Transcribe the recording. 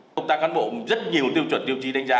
công tác cán bộ rất nhiều tiêu chuẩn tiêu chí đánh giá